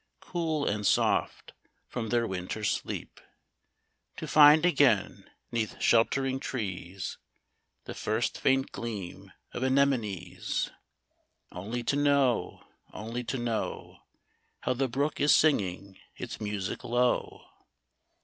Cool and soft from their winter sleep ; To find again, 'neath sheltering trees, The first faint gleam of anemones ; Only to know, only to know How the brook is singing its music low